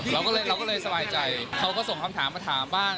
เราก็เลยสบายใจเขาก็ส่งคำถามมาถามบ้าง